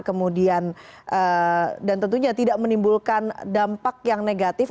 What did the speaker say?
kemudian dan tentunya tidak menimbulkan dampak yang negatif